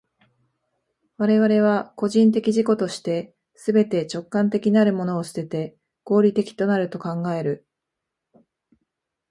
我々は個人的自己として、すべて直観的なるものを棄てて、合理的となると考える。